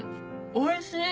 おいしい？